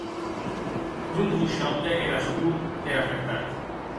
Non vos shaute era aspror dera vertat.